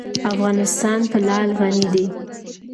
افغانستان په لعل غني دی.